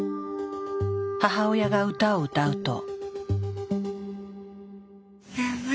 母親が歌を歌うと。